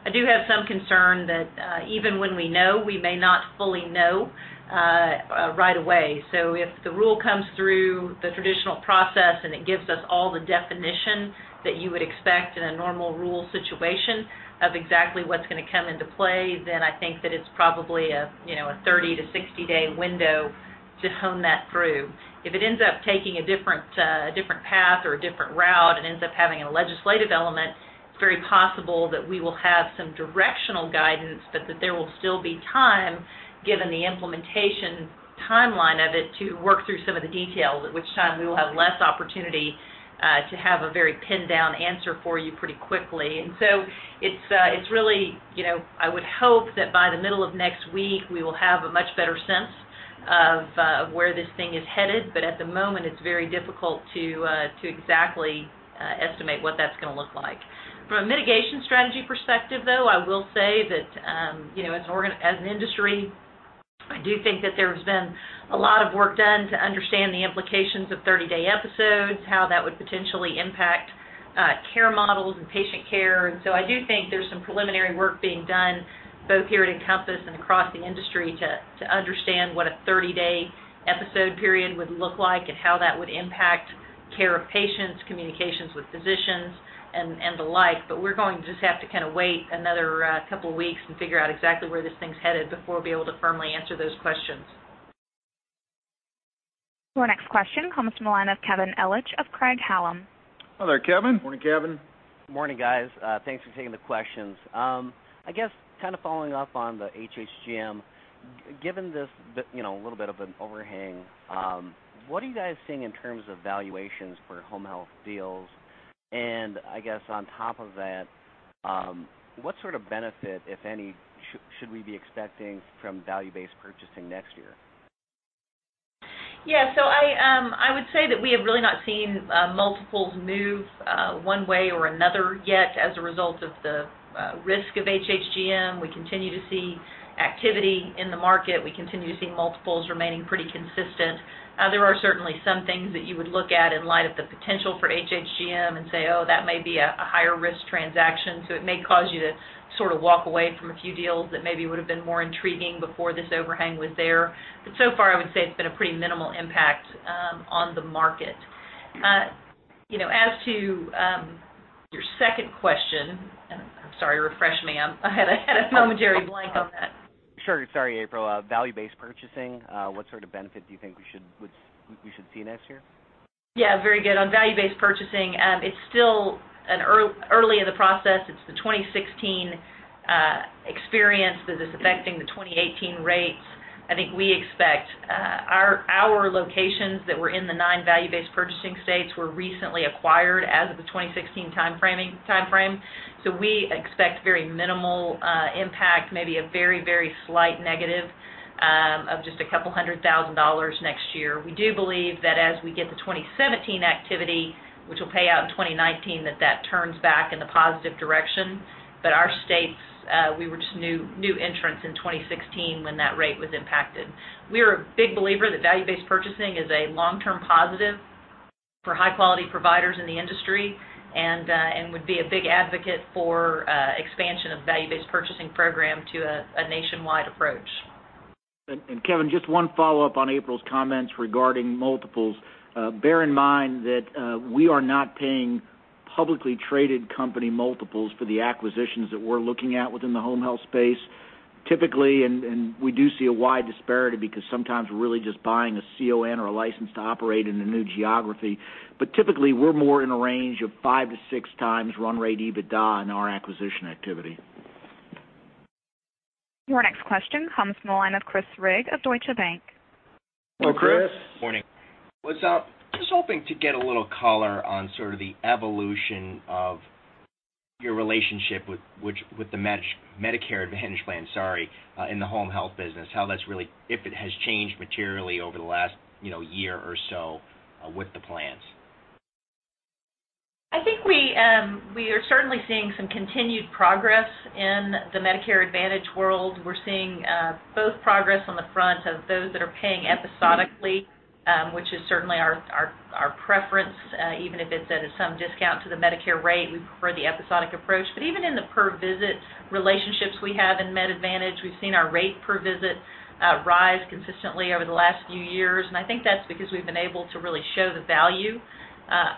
I do have some concern that even when we know, we may not fully know right away. If the rule comes through the traditional process and it gives us all the definition that you would expect in a normal rule situation of exactly what's going to come into play, I think that it's probably a 30-60-day window to hone that through. If it ends up taking a different path or a different route and ends up having a legislative element, it's very possible that we will have some directional guidance, but that there will still be time, given the implementation timeline of it, to work through some of the details, at which time we will have less opportunity to have a very pinned-down answer for you pretty quickly. I would hope that by the middle of next week, we will have a much better sense of where this thing is headed. At the moment, it's very difficult to exactly estimate what that's going to look like. From a mitigation strategy perspective, though, I will say that as an industry, I do think that there's been a lot of work done to understand the implications of 30-day episodes, how that would potentially impact care models and patient care. I do think there's some preliminary work being done, both here at Encompass and across the industry, to understand what a 30-day episode period would look like and how that would impact care of patients, communications with physicians, and the like. We're going to just have to wait another couple of weeks and figure out exactly where this thing's headed before we'll be able to firmly answer those questions. Your next question comes from the line of Kevin Ellich of Craig-Hallum. Hi there, Kevin. Morning, Kevin. Morning, guys. Thanks for taking the questions. I guess following up on the HHGM. Given this little bit of an overhang, what are you guys seeing in terms of valuations for home health deals? I guess on top of that, what sort of benefit, if any, should we be expecting from value-based purchasing next year? Yeah. I would say that we have really not seen multiples move one way or another yet as a result of the risk of HHGM. We continue to see activity in the market. We continue to see multiples remaining pretty consistent. There are certainly some things that you would look at in light of the potential for HHGM and say, "Oh, that may be a higher risk transaction." It may cause you to walk away from a few deals that maybe would've been more intriguing before this overhang was there. So far, I would say it's been a pretty minimal impact on the market. As to your second question, and I'm sorry, refresh me. I had a Tom and Jerry blank on that. Sure. Sorry, April. Value-based purchasing, what sort of benefit do you think we should see next year? Yeah, very good. On Value-based purchasing, it's still early in the process. It's the 2016 experience that is affecting the 2018 rates. I think we expect our locations that were in the nine Value-based purchasing states were recently acquired as of the 2016 timeframe. We expect very minimal impact, maybe a very slight negative of just a couple hundred thousand dollars next year. We do believe that as we get to 2017 activity, which will pay out in 2019, that that turns back in the positive direction. Our states, we were just new entrants in 2016 when that rate was impacted. We are a big believer that Value-based purchasing is a long-term positive for high-quality providers in the industry, and would be a big advocate for expansion of Value-based purchasing program to a nationwide approach. Kevin, just one follow-up on April's comments regarding multiples. Bear in mind that we are not paying publicly traded company multiples for the acquisitions that we're looking at within the home health space. Typically, we do see a wide disparity because sometimes we're really just buying a CON or a license to operate in a new geography, typically we're more in a range of 5x-6x run rate EBITDA in our acquisition activity. Your next question comes from the line of Chris Rigg of Deutsche Bank. Hello, Chris. Morning. Was just hoping to get a little color on sort of the evolution of your relationship with the Medicare Advantage Plan in the home health business, if it has changed materially over the last year or so with the plans. I think we are certainly seeing some continued progress in the Medicare Advantage world. We're seeing both progress on the front of those that are paying episodically, which is certainly our preference, even if it's at some discount to the Medicare rate. We prefer the episodic approach. Even in the per visit relationships we have in Med Advantage, we've seen our rate per visit rise consistently over the last few years, and I think that's because we've been able to really show the value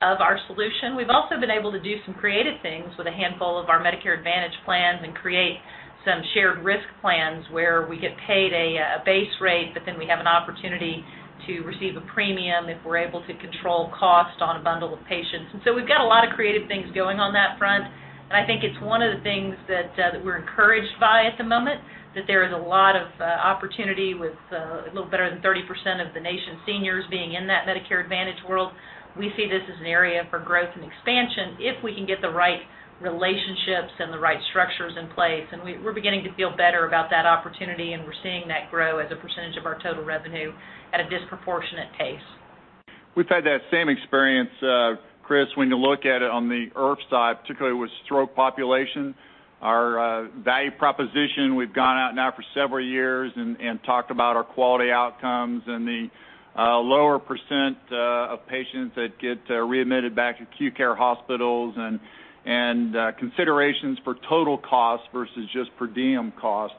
of our solution. We've also been able to do some creative things with a handful of our Medicare Advantage plans and create some shared risk plans where we get paid a base rate, but then we have an opportunity to receive a premium if we're able to control cost on a bundle of patients. We've got a lot of creative things going on that front, and I think it's one of the things that we're encouraged by at the moment, that there is a lot of opportunity with a little better than 30% of the nation's seniors being in that Medicare Advantage world. We see this as an area for growth and expansion if we can get the right relationships and the right structures in place. We're beginning to feel better about that opportunity, and we're seeing that grow as a percentage of our total revenue at a disproportionate pace. We've had that same experience, Chris, when you look at it on the IRF side, particularly with stroke population. Our value proposition, we've gone out now for several years and talked about our quality outcomes and the lower % of patients that get readmitted back to acute care hospitals and considerations for total cost versus just per diem cost.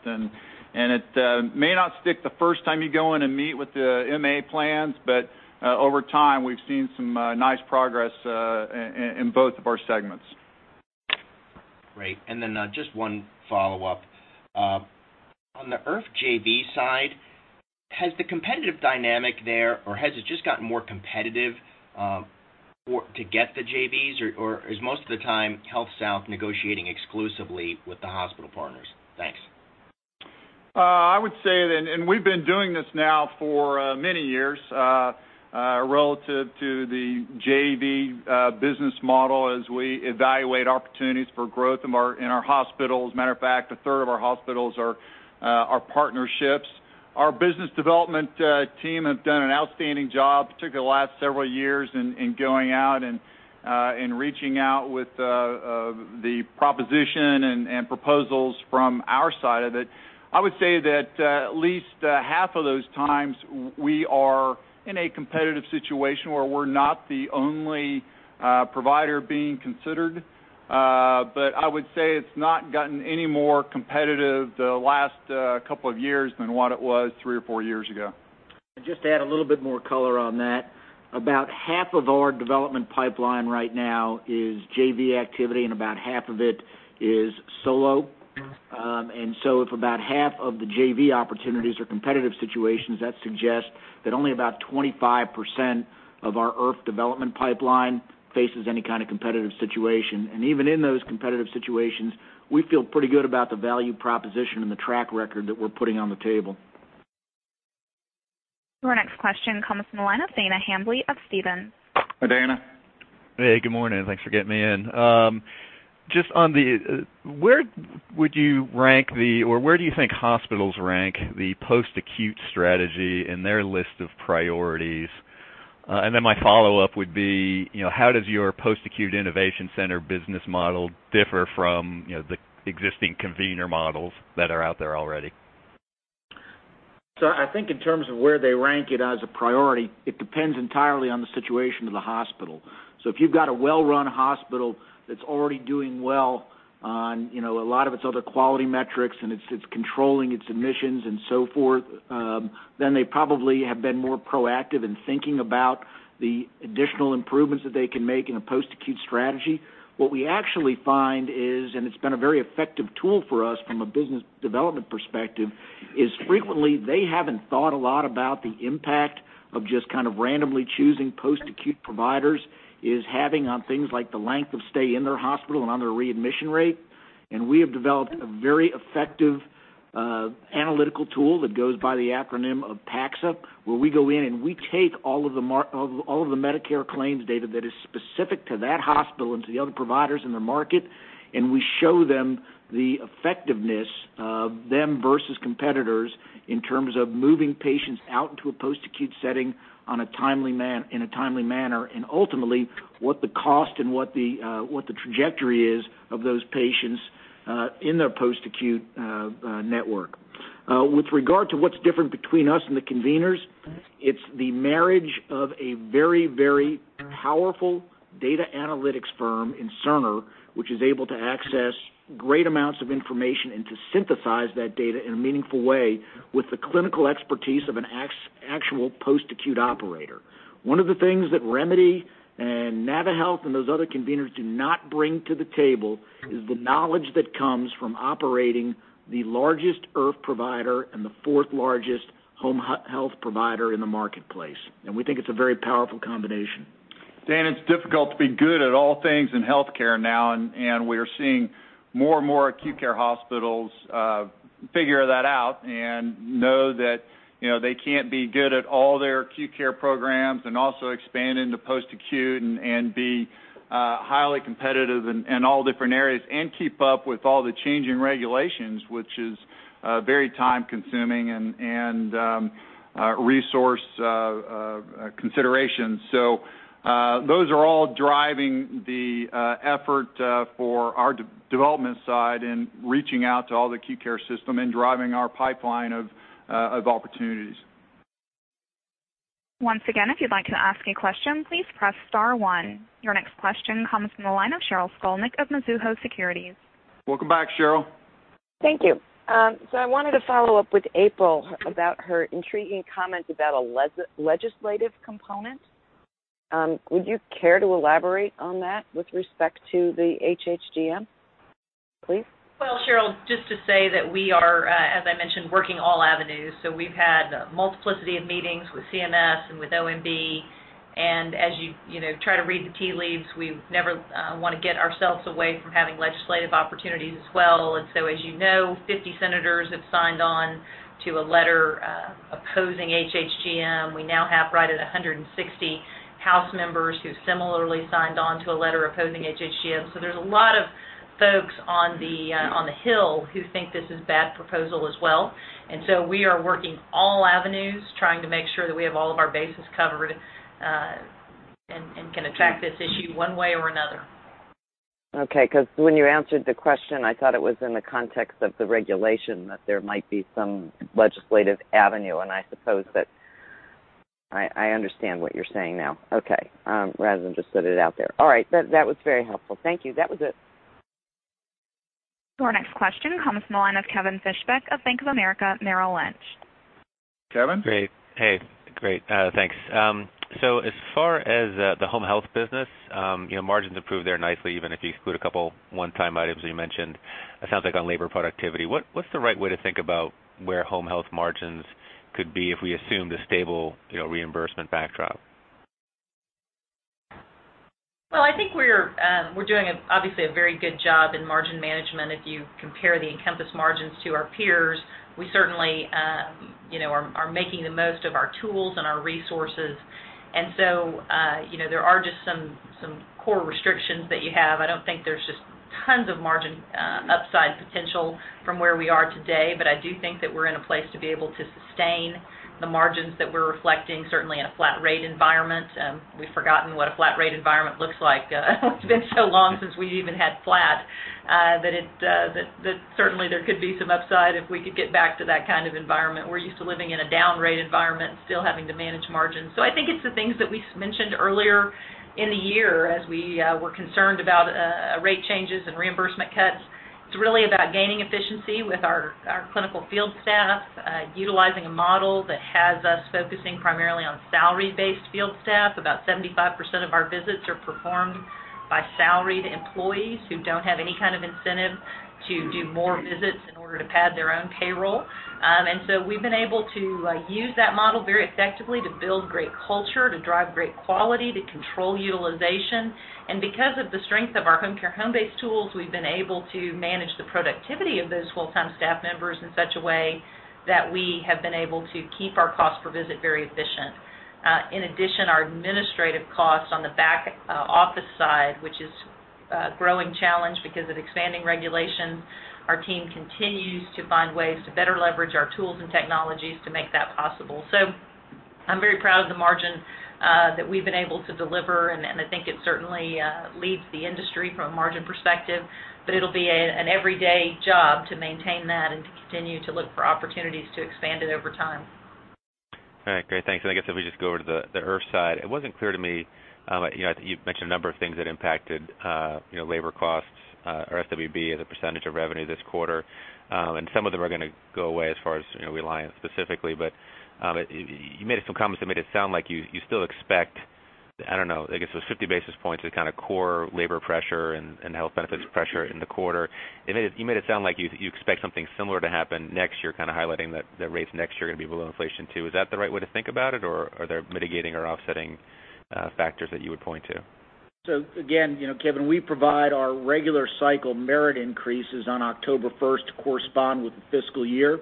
It may not stick the first time you go in and meet with the MA plans, but over time, we've seen some nice progress in both of our segments. Great. Just one follow-up. On the IRF JV side, has the competitive dynamic there, or has it just gotten more competitive to get the JVs, or is most of the time HealthSouth negotiating exclusively with the hospital partners? Thanks. I would say that, we've been doing this now for many years relative to the JV business model as we evaluate opportunities for growth in our hospitals. Matter of fact, a third of our hospitals are partnerships. Our business development team have done an outstanding job, particularly the last several years, in going out and reaching out with the proposition and proposals from our side of it. I would say that at least half of those times we are in a competitive situation where we're not the only provider being considered. I would say it's not gotten any more competitive the last couple of years than what it was three or four years ago. To just add a little bit more color on that, about half of our development pipeline right now is JV activity, and about half of it is solo. If about half of the JV opportunities are competitive situations, that suggests that only about 25% of our IRF development pipeline faces any kind of competitive situation. Even in those competitive situations, we feel pretty good about the value proposition and the track record that we're putting on the table. Your next question comes from the line of Dana Hambly of Stephens. Hi, Dana. Good morning. Thanks for getting me in. Where do you think hospitals rank the post-acute strategy in their list of priorities? How does your Post-Acute Innovation Center business model differ from the existing convener models that are out there already? I think in terms of where they rank it as a priority, it depends entirely on the situation of the hospital. If you've got a well-run hospital that's already doing well on a lot of its other quality metrics and it's controlling its admissions and so forth, then they probably have been more proactive in thinking about the additional improvements that they can make in a post-acute strategy. What we actually find is, and it's been a very effective tool for us from a business development perspective, is frequently they haven't thought a lot about the impact of just kind of randomly choosing post-acute providers is having on things like the length of stay in their hospital and on their readmission rate. We have developed a very effective analytical tool that goes by the acronym of PACSA, where we go in and we take all of the Medicare claims data that is specific to that hospital and to the other providers in the market, and we show them the effectiveness of them versus competitors in terms of moving patients out into a post-acute setting in a timely manner, and ultimately what the cost and what the trajectory is of those patients in their post-acute network. With regard to what's different between us and the conveners, it's the marriage of a very, very powerful data analytics firm in Cerner, which is able to access great amounts of information and to synthesize that data in a meaningful way with the clinical expertise of an actual post-acute operator. One of the things that Remedy and Nava Health and those other conveners do not bring to the table is the knowledge that comes from operating the largest IRF provider and the fourth-largest home health provider in the marketplace. We think it's a very powerful combination. Dana, it's difficult to be good at all things in healthcare now, and we are seeing more and more acute care hospitals figure that out and know that they can't be good at all their acute care programs and also expand into post-acute and be highly competitive in all different areas and keep up with all the changing regulations, which is very time-consuming and resource consideration. Those are all driving the effort for our development side in reaching out to all the acute care system and driving our pipeline of opportunities. Once again, if you'd like to ask a question, please press star one. Your next question comes from the line of Sheryl Skolnick of Mizuho Securities. Welcome back, Sheryl. Thank you. I wanted to follow up with April about her intriguing comment about a legislative component. Would you care to elaborate on that with respect to the HHGM, please? Well, Sheryl, just to say that we are, as I mentioned, working all avenues. We've had a multiplicity of meetings with CMS and with OMB, and as you try to read the tea leaves, we never want to get ourselves away from having legislative opportunities as well. As you know, 50 senators have signed on to a letter opposing HHGM. We now have right at 160 House members who similarly signed on to a letter opposing HHGM. There's a lot of folks on the Hill who think this is bad proposal as well. We are working all avenues trying to make sure that we have all of our bases covered, and can attack this issue one way or another. Because when you answered the question, I thought it was in the context of the regulation that there might be some legislative avenue. I suppose that I understand what you're saying now. Rather than just put it out there. That was very helpful. Thank you. That was it. Your next question comes from the line of Kevin Fischbeck of Bank of America Merrill Lynch. Kevin? Great. Hey. Great, thanks. As far as the home health business, margins improved there nicely even if you exclude a couple one-time items that you mentioned, it sounds like on labor productivity. What's the right way to think about where home health margins could be if we assume the stable reimbursement backdrop? I think we're doing, obviously, a very good job in margin management. If you compare the Encompass margins to our peers, we certainly are making the most of our tools and our resources. There are just some core restrictions that you have. I don't think there's just tons of margin upside potential from where we are today, but I do think that we're in a place to be able to sustain the margins that we're reflecting, certainly in a flat rate environment. We've forgotten what a flat rate environment looks like. It's been so long since we even had flat, that certainly there could be some upside if we could get back to that kind of environment. We're used to living in a down rate environment and still having to manage margins. I think it's the things that we mentioned earlier in the year as we were concerned about rate changes and reimbursement cuts. It's really about gaining efficiency with our clinical field staff, utilizing a model that has us focusing primarily on salary-based field staff. About 75% of our visits are performed by salaried employees who don't have any kind of incentive to do more visits in order to pad their own payroll. We've been able to use that model very effectively to build great culture, to drive great quality, to control utilization. Because of the strength of our Homecare Homebase tools, we've been able to manage the productivity of those full-time staff members in such a way that we have been able to keep our cost per visit very efficient. In addition, our administrative costs on the back office side, which is a growing challenge because of expanding regulations. Our team continues to find ways to better leverage our tools and technologies to make that possible. I'm very proud of the margin that we've been able to deliver, and I think it certainly leads the industry from a margin perspective, but it'll be an everyday job to maintain that and to continue to look for opportunities to expand it over time. All right, great. Thanks. I guess if we just go over to the IRF side, it wasn't clear to me. You've mentioned a number of things that impacted labor costs or SWB as a percentage of revenue this quarter. Some of them are going to go away as far as Reliant specifically. You made some comments that made it sound like you still expect, I don't know, I guess those 50 basis points of kind of core labor pressure and health benefits pressure in the quarter. You made it sound like you expect something similar to happen next year, kind of highlighting that rates next year are going to be below inflation, too. Is that the right way to think about it, or are there mitigating or offsetting factors that you would point to? Kevin, we provide our regular cycle merit increases on October 1st to correspond with the fiscal year.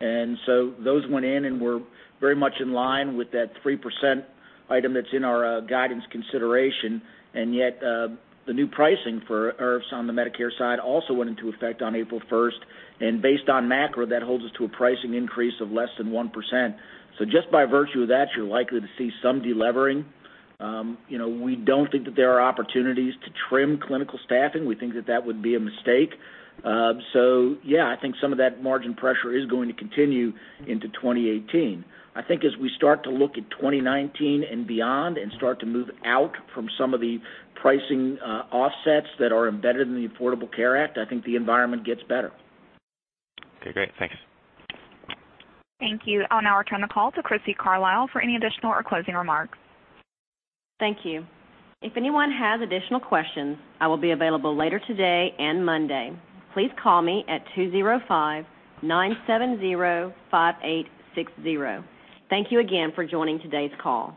Those went in and were very much in line with that 3% item that's in our guidance consideration. Yet the new pricing for IRFs on the Medicare side also went into effect on April 1st. Based on MACRA, that holds us to a pricing increase of less than 1%. Just by virtue of that, you're likely to see some de-levering. We don't think that there are opportunities to trim clinical staffing. We think that that would be a mistake. Yeah, I think some of that margin pressure is going to continue into 2018. I think as we start to look at 2019 and beyond and start to move out from some of the pricing offsets that are embedded in the Affordable Care Act, I think the environment gets better. Okay, great. Thanks. Thank you. I'll now return the call to Crissy Carlisle for any additional or closing remarks. Thank you. If anyone has additional questions, I will be available later today and Monday. Please call me at 205-970-5860. Thank you again for joining today's call.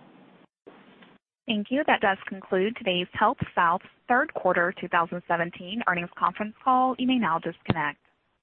Thank you. That does conclude today's HealthSouth Third Quarter 2017 Earnings Conference Call. You may now disconnect.